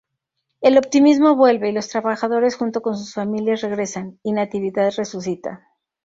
El optimismo vuelve y los trabajadores junto con sus familias regresan y Natividad resucita.